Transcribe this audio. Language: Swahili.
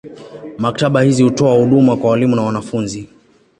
Maktaba hizi hutoa huduma kwa walimu na wanafunzi.